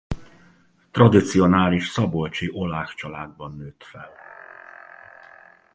Tradicionális szabolcsi oláh családban nőtt fel.